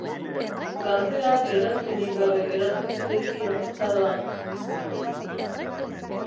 Galdeak erantzunik gabe geratu zitzaizkion luzaroan.